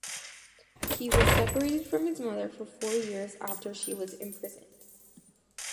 He was separated from his mother for four years after she was imprisoned.